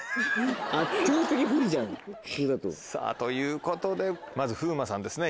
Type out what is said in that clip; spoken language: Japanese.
さぁということでまず風磨さんですね。